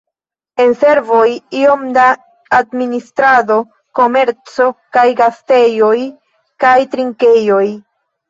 En servoj iom da administrado, komerco kaj gastejoj kaj trinkejoj.